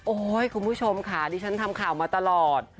คุณผู้ชมค่ะดิฉันทำข่าวมาตลอด